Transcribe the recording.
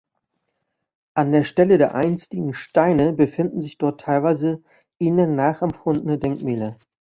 An der Stelle der einstigen Steine befinden sich dort teilweise ihnen nachempfundene Denkmäler.